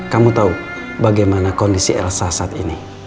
kamu tahu bagaimana kondisi elsa saat ini